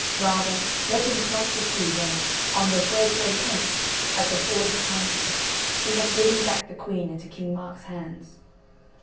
Rather let him cross the sea, when, on the third day hence, at the Ford of Chances, he had given back the Queen into King Mark's hands."